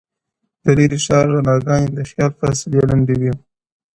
د لرې ښار رڼاګانې د خیال فاصله لنډوي,